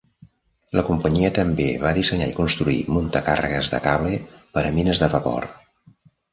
La companyia també va dissenyar i construir muntacàrregues de cable per a mines de vapor.